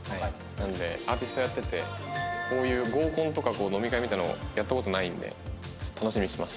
アーティストやっててこういう合コンとか飲み会みたいなのやった事ないんで楽しみにしてます。